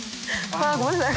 ごめんなさい。